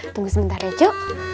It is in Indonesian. tunggu sebentar ya cu